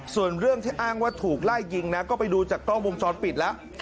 ส่วนเรื่องที่อ้างว่าถูกไล่ยิงนะก็ไปดูจากกล้องวงจรปิดแล้ว